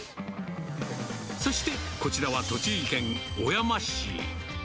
そしてこちらは栃木県小山市。